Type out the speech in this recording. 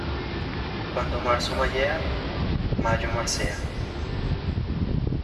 Cuando marzo mayea, mayo marcea.